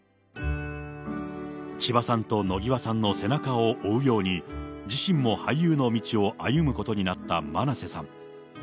千葉さんと野際さんの背中を追うように、自身の俳優の道を歩むことになった真瀬さん。